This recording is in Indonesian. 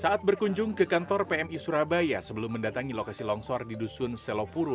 saat berkunjung ke kantor pmi surabaya sebelum mendatangi lokasi longsor di dusun selopuro